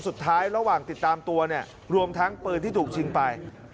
ระหว่างติดตามตัวเนี่ยรวมทั้งปืนที่ถูกชิงไป